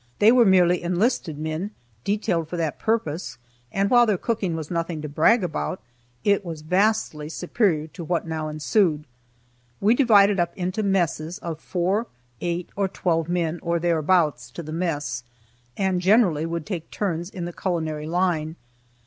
They were merely enlisted men, detailed for that purpose, and while their cooking was nothing to brag about, it was vastly superior to what now ensued. We divided up into messes, of four, eight, or twelve men, or thereabouts, to the mess, and generally would take turns in the culinary line.